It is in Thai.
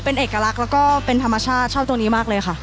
เป็นเอกลักษณ์แล้วก็เป็นธรรมชาติชอบตรงนี้มากเลยค่ะ